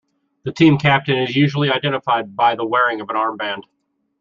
The team captain is usually identified by the wearing of an armband.